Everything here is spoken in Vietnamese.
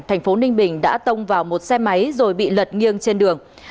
thành phố ninh bình đã tông vào một xe máy rồi bị lật nghiêng trên đường